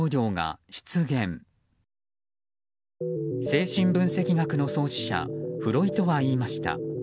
精神分析学の創始者フロイトは言いました。